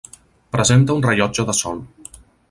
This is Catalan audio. Presenta un rellotge de sol.